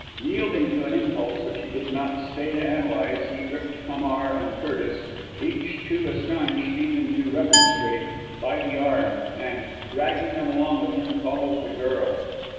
Yielding to an impulse which he did not stay to analyse, he gripped Hamar and Curtis, each too astonished even to remonstrate, by the arm, and, dragging them along with him, followed the girl.